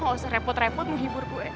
lo gak usah repot repot ngehibur gue